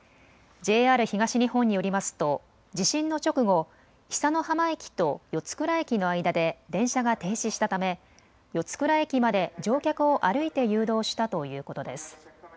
ＪＲ東日本によりますと地震の直後、久ノ浜駅と四ツ倉駅の間で電車が停止したため四ツ倉駅まで乗客を歩いて誘導したということです。